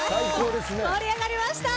盛り上がりました！